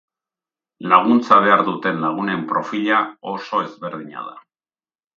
Laguntza behar duten lagunen profila oso ezberdina da.